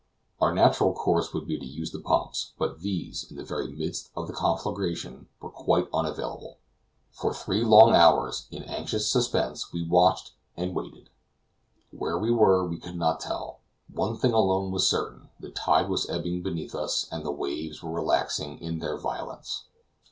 Our natural course would be to use the pumps, but these, in the very midst of the conflagration, were quite unavailable. For three long hours, in anxious suspense, we watched, and waited. Where we were we could not tell. One thing alone was certain; the tide was ebbing beneath us, and the waves were relaxing in their violence.